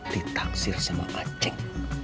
ditaksir sama ceng